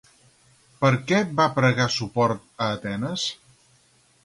Per què va pregar suport a Atenes?